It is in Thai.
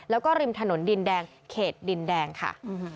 แล้วก็ริมถนนดินแดงเขตดินแดงค่ะ